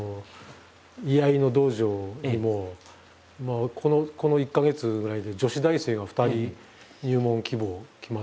居合の道場にもこの１か月ぐらいで女子大生が２人入門希望来ましてね。